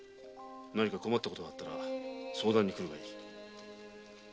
何か困ったことがあったら相談に来るがいい。